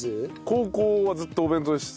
高校はずっとお弁当でしたね。